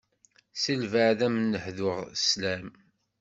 S lbeɛd am n-hduɣ slam.